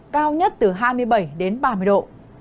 cao nhất từ hai mươi bảy đến ba mươi độ